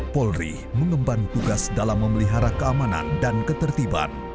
polri mengemban tugas dalam memelihara keamanan dan ketertiban